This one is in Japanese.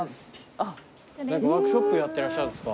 ワークショップやってらっしゃるんですか。